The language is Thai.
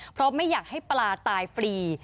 เพราะไม่อยากให้ปลาตายฟรี